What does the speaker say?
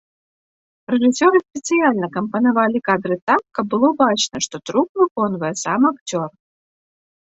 Рэжысёры спецыяльна кампанавалі кадры так, каб было бачна, што трук выконвае сам акцёр.